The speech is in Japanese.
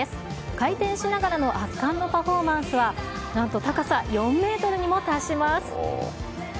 回転しながらの圧巻のパフォーマンスはなんと、高さ４メートルにも達します。